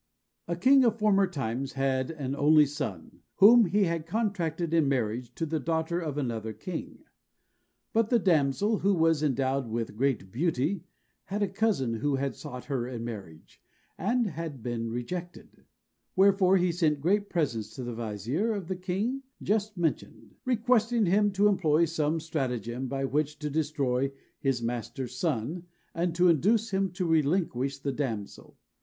A king of former times had an only son, whom he contracted in marriage to the daughter of another king. But the damsel, who was endowed with great beauty, had a cousin who had sought her in marriage, and had been rejected; wherefore he sent great presents to the vizier of the king just mentioned, requesting him to employ some stratagem by which to destroy his master's son, or to induce him to relinquish the damsel.